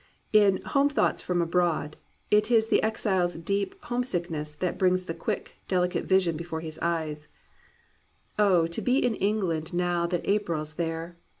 In Home Thoughts from Abroad, it is the exile's deep homesickness that brings the quick, delicate vision before his eyes : "Oh, to be in England Now that April's there.